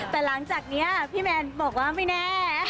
แต่หลังจากนี้พี่แมนบอกว่าไม่แน่